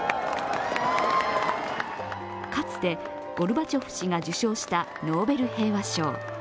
かつてゴルバチョフ氏が受賞したノーベル平和賞。